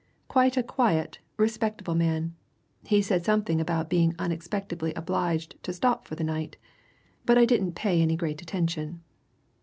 "Quite a quiet, respectable man he said something about being unexpectedly obliged to stop for the night, but I didn't pay any great attention."